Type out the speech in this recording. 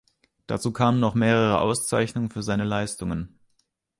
Dazu kamen noch mehrere Auszeichnungen für seine Leistungen.